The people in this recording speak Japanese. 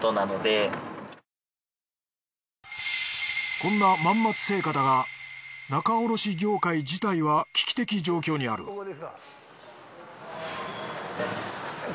こんな万松青果だが仲卸業界自体は危機的状況にある見渡せば。